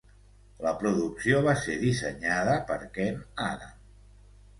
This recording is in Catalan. La producció va ser dissenyada per Ken Adam.